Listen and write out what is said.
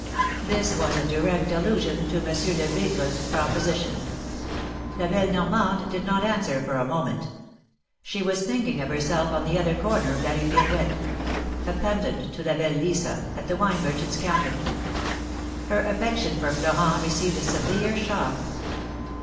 This was a direct allusion to Monsieur Lebigre's propo sition. La belle Normande did not answer for a moment. She was thinking of herself on the other corner of la Hue Pirouette — a pendant to La belle Lisa, at the wine mer chant's counter. Her affection for Florent received a severe shock.